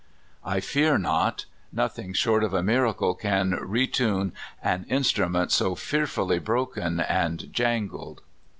"" I fear not. Nothin<x short of a miracle can re tune an instrument so fearfully broken and jan gled."